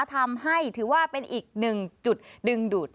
ทำให้ถือว่าเป็นอีกหนึ่งจุดดึงดูด